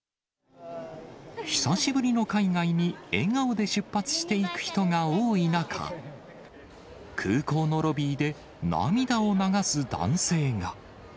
久しぶりの海外に笑顔で出発していく人が多い中、空港のロビーで涙を流す男性が。